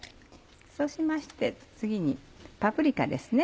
そうしまして次にパプリカですね。